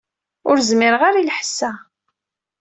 Ur zmireɣ ara i lḥess-a.